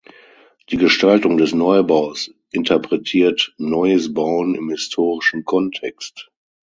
Die Gestaltung des Neubaus interpretiert "Neues Bauen" im historischen Kontext.